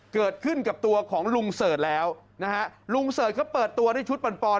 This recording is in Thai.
เกิดขึ้นกับตัวของลุงเสิร์ชแล้วนะฮะลุงเสิร์ชเขาเปิดตัวด้วยชุดปอนปอน